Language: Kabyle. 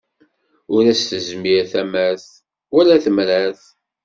Ur as-tezmir tamart, wala temrart.